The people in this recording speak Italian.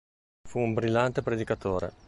Fu un brillante predicatore.